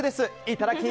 いただき！